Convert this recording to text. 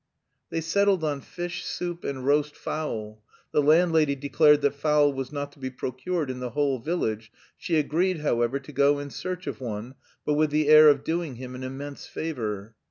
They settled on fish, soup, and roast fowl; the landlady declared that fowl was not to be procured in the whole village; she agreed, however, to go in search of one, but with the air of doing him an immense favour.